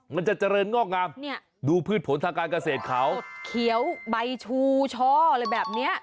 มันจะเจริญงอกงามดูพืชผลทางการเกษตรเขาเขียวใบชูช่ออะไรแบบเนี้ย